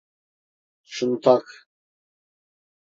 Şunu tak.